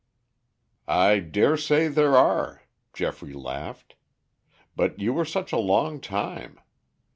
"I dare say there are," Geoffrey laughed. "But you were such a long time.